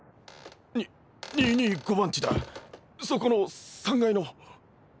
２２２５番地だそこの３階の。